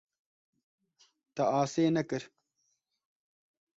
Te asê nekir.